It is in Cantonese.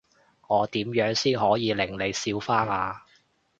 我點樣先可以令你笑返呀？